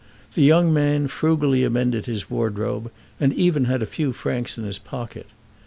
The young man frugally amended his wardrobe and even had a few francs in his pocket.